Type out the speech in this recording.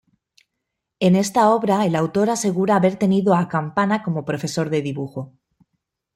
En esta obra el autor asegura haber tenido a Campana como profesor de dibujo.